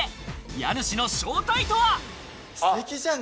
家主の正体とは？